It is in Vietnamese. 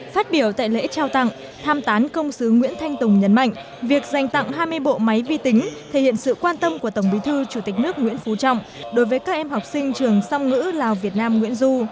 phát biểu tại lễ trao tặng tham tán công sứ nguyễn thanh tùng nhấn mạnh việc dành tặng hai mươi bộ máy vi tính thể hiện sự quan tâm của tổng bí thư chủ tịch nước nguyễn phú trọng đối với các em học sinh trường song ngữ lào việt nam nguyễn du